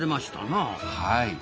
はい。